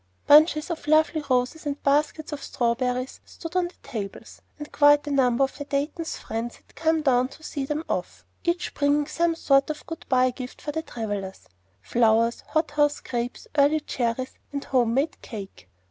Bunches of lovely roses and baskets of strawberries stood on the tables; and quite a number of the Daytons' friends had come down to see them off, each bringing some sort of good by gift for the travellers, flowers, hothouse grapes, early cherries, or home made cake.